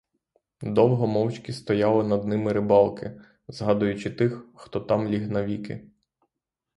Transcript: Довго мовчки стояли над ними рибалки, згадуючи тих, хто там ліг навіки.